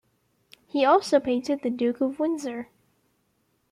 He also painted the Duke of Windsor.